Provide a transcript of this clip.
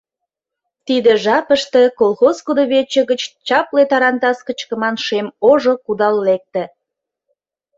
Тиде жапыште колхоз кудывече гыч чапле тарантас кычкыман шем ожо кудал лекте.